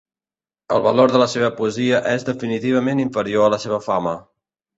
El valor de la seva poesia és definitivament inferior a la seva fama.